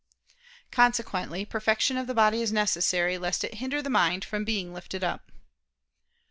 Consequently, perfection of the body is necessary, lest it hinder the mind from being lifted up.